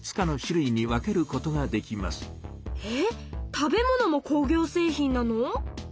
⁉食べ物も工業製品なの？！